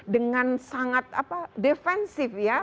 dengan sangat defensif ya